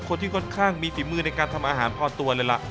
คนที่ค่อนข้างมีฝีมือในการทำอาหารพอตัวเลยล่ะ